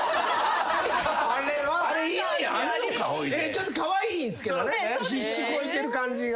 ちょっとカワイイんすけどね必死こいてる感じが。